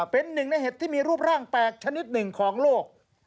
เป็นหนึ่งในเห็ดที่มีรูปร่างแปลกชนิดหนึ่งของโลก